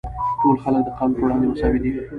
ټول خلک د قانون پر وړاندې مساوي دي.